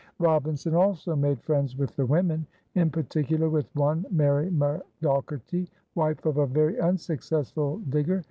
Robinson also made friends with the women, in particular with one Mary McDogherty, wife of a very unsuccessful digger.